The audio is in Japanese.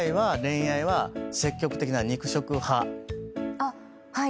あっはい。